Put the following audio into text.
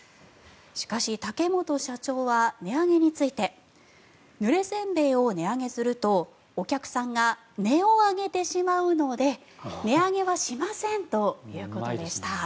しかし、竹本社長は値上げについてぬれ煎餅を値上げするとお客さんが音を上げてしまうので値上げはしません！ということでした。